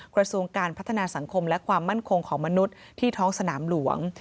กระทรวงการพัฒนาสังคมและความมั่นคงของมนุษย์ที่ท้องสนามหลวง